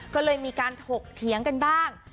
ก็เลยมีการถกเถียงกันบ้าง